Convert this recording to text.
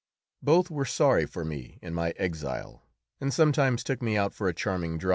Both were sorry for me in my exile, and sometimes took me out for a charming drive.